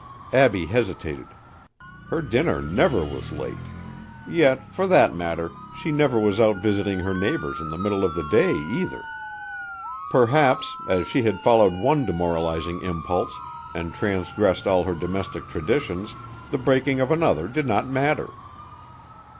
Abbie hesitated. Her dinner never was late; yet, for that matter, she never was out visiting her neighbors in the middle of the day, either. Perhaps, as she had followed one demoralizing impulse and transgressed all her domestic traditions, the breaking of another did not matter.